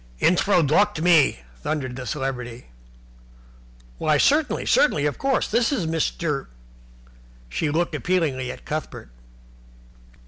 "Introduct me!" thundered the Celebrity. "Why, certainly, certainly, of course. This is Mr. ." She looked appealingly at Cuthbert.